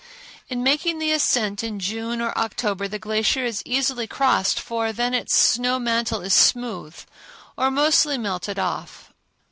In making the ascent in June or October the glacier is easily crossed, for then its snow mantle is smooth or mostly melted off.